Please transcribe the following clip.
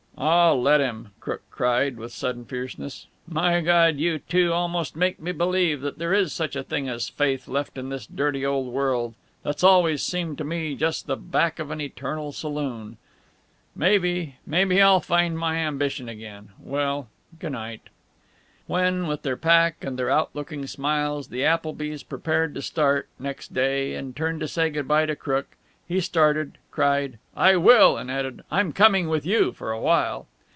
"Aw, let him," Crook cried, with sudden fierceness. "My Gawd! you two almost make me believe that there is such a thing as faith left in this dirty old world, that's always seemed to me just the back of an eternal saloon. Maybe maybe I'll find my ambition again.... Well g' night." When with their pack and their outlooking smiles the Applebys prepared to start, next day, and turned to say good by to Crook, he started, cried, "I will!" and added, "I'm coming with you, for a while!"